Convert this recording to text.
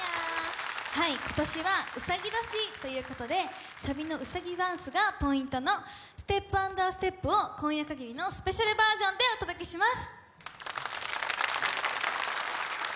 今年はうさぎ年ということでサビのウサギダンスがポイントの「Ｓｔｅｐａｎｄａｓｔｅｐ」を今夜かぎりのスペシャルバージョンでお届けします。